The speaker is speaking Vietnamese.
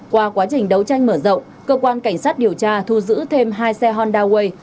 qua quá trình đấu tranh mở rộng cơ quan cảnh sát điều tra thu giữ thêm hai xe honda way